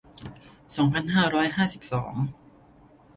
สองพันห้าร้อยห้าสิบสอง